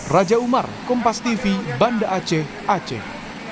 raja umar kompas tv banda aceh aceh